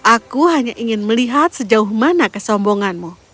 aku hanya ingin melihat sejauh mana kesombonganmu